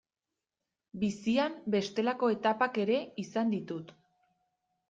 Bizian bestelako etapak ere izan ditut.